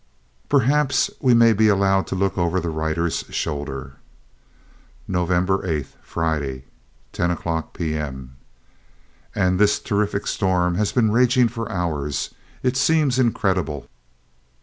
Perhaps we may be allowed to look over the writer's shoulder. "Nov. 8th, Friday, 10 o'clock p.m. "And this terrific storm has been raging for hours! It seems incredible.